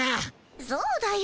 そうだよ。